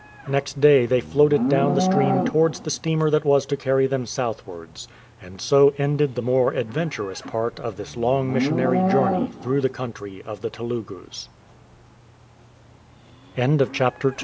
Next day they floated down the stream to wards the steamer that was to carry them southwards. And so ended the more adventurous part of this long missionary journey through the country of the Te